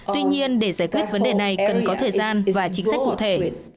tuy nhiên để giải quyết vấn đề này cần có thời gian và chính sách cụ thể